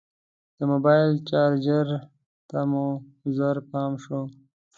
د موبایل چارجر ته مې ژر پام شو.